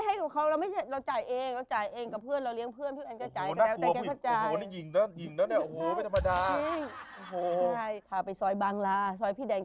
ฉันเป็นพี่แวฉันหนีตั้งแต่วันนั้นแล้ว